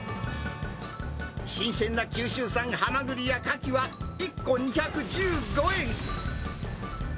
新鮮な九州産ハマグリやカキは１個２１５円。